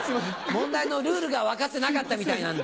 問題のルールが分かってなかったみたいなんで。